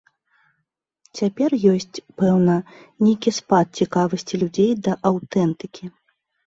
Цяпер ёсць, пэўна, нейкі спад цікавасці людзей да аўтэнтыкі.